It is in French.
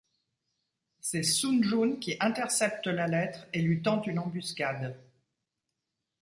C'est Sun Jun qui intercepte la lettre et lui tend une embuscade.